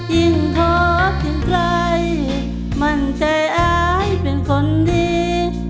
ยิ่งโทษยังใกล้มั่นใจอายเป็นคนดี